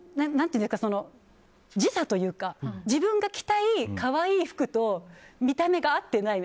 時差というか自分が着たい可愛い服と見た目が合ってない。